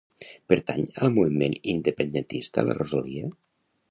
Pertany al moviment independentista la Rosalia?